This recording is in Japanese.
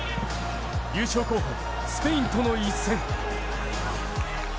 優勝候補、スペインとの一戦。